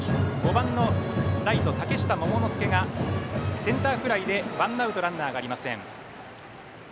５番のライト、嶽下桃之介がセンターフライでワンアウトランナーがありません。